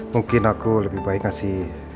mungkin aku lebih baik ngasih